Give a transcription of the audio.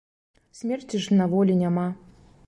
Смерці ж на волі няма.